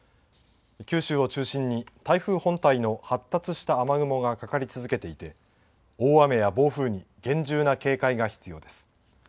九州を中心に台風本体の発達した雨雲がかかり続けていて、大雨や暴風に厳重な警戒が必要です。